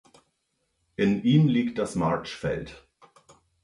In ihm liegt das Marchfeld.